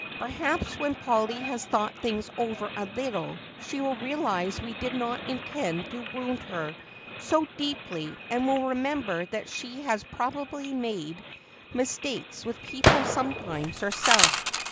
Perhaps when Polly has thought things over a little she will realize we did not intend to wound her so deeply and will remember that she has probably made mistakes with people sometimes herself.